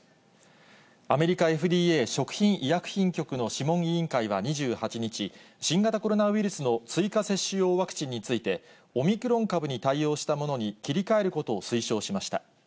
アメリカＦＤＡ・食品医薬品局の諮問委員会は２８日、新型コロナウイルスの追加接種用ワクチンについて、オミクロン株に対応したものに切り替えることを推奨しました。